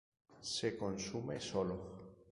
Se consume solo.